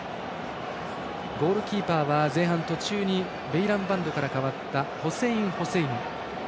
ゴールキーパーは前半途中にベイランバンドから代わったホセイン・ホセイニ。